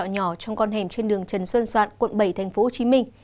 dân trọ nhỏ trong con hẻm trên đường trần xuân soạn quận bảy tp hcm